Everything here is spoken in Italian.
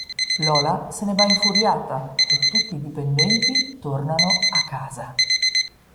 Lola se ne va infuriata, e tutti i dipendenti tornano a casa.